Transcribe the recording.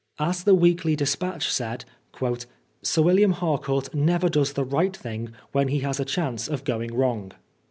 As the Weekly Dis patch said, "Sir William Harcourt never does the right thing when he has a chance of going wrong."